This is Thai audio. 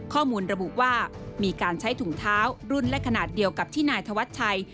ข้อมูลระบุว่ามีการใช้ถุงเท้ารุ่นและขนาดเดียวกับที่นายธวัชชัย